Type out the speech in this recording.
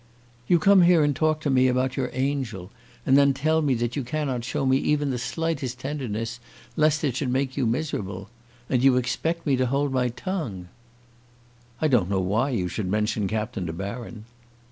"You come here and talk to me about your angel, and then tell me that you cannot show me even the slightest tenderness, lest it should make you miserable, and you expect me to hold my tongue." "I don't know why you should mention Captain De Baron."